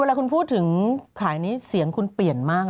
เวลาคุณพูดถึงขายนี้เสียงคุณเปลี่ยนมาก